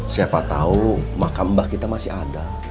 siapa tahu makam mbah kita masih ada